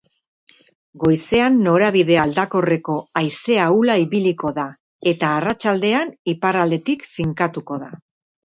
Goizean norabide aldakorreko haize ahula ibiliko da eta arratsaldean iparraldetik finkatuko da.